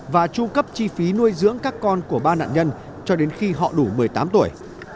và tru cấp chi phí nuôi dưỡng các con của ba nạn nhân cho đến khi họ đủ một mươi tám tuổi